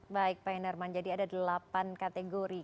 baik pak hendarman jadi ada delapan kategori